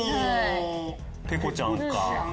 ペコちゃんか。